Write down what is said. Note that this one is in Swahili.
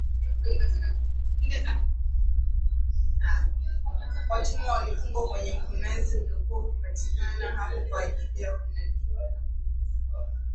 Watumwa walifungwa kwenye Mkunazi uliokuwa ukipatikana hapo kwa ajili ya kunadiwa na kuuzwa